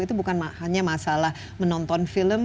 itu bukan hanya masalah menonton film